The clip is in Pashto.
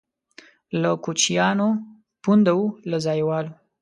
له کوچیانو پونده وو له ځایوالو.